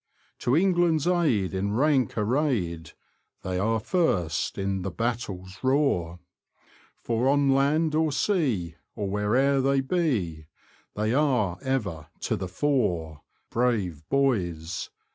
To England's aid, in rank arrayed. They are first in the battle's roar,* For on land or sea, or where'er they be, They are ever to the fore — Brave boys!